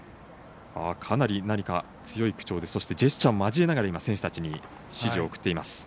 かなり、何か強い口調でそしてジェスチャーも交えながら選手たちに指示を送っています。